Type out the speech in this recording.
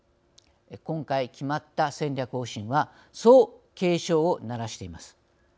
今回決まった戦略方針はそう警鐘を鳴らしています。